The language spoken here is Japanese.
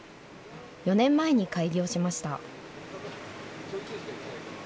４年前に開業しました。